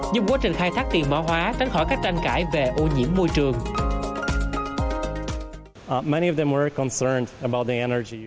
giúp quá trình khai thác tiền mã hóa tránh khỏi các tranh cãi về ô nhiễm môi trường